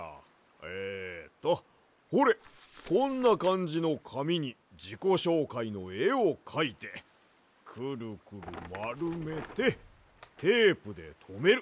えっとほれこんなかんじのかみにじこしょうかいのえをかいてクルクルまるめてテープでとめる。